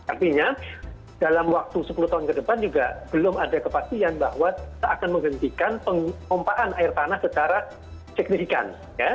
artinya dalam waktu sepuluh tahun ke depan juga belum ada kepastian bahwa kita akan menghentikan pengumpaan air tanah secara signifikan